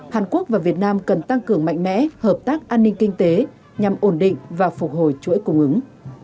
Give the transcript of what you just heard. hàn quốc và việt nam cần tăng cường mạnh mẽ hợp tác an ninh kinh tế nhằm ổn định và phục hồi chuỗi cung ứng